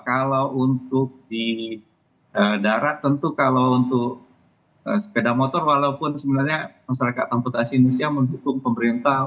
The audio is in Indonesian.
kalau untuk di darat tentu kalau untuk sepeda motor walaupun sebenarnya masyarakat amputasi indonesia mendukung pemerintah